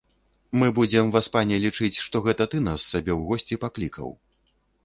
Мы будзем, васпане, лічыць, што гэта ты нас сабе ў госці паклікаў.